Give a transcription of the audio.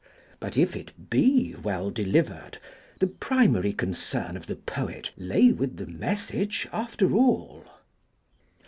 But if it be well delivered, the primary concern of the poet lay with the message after all!'